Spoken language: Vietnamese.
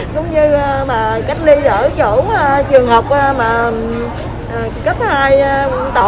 cũng như mà cách ly ở chỗ trường học mà cấp hai tỏa vậy đó